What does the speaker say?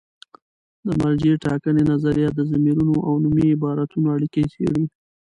د مرجع ټاکنې نظریه د ضمیرونو او نومي عبارتونو اړیکې څېړي.